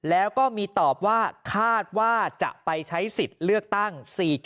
แล้วก็มีตอบว่าคาดว่าจะไปใช้สิทธิ์เลือกตั้ง๔๗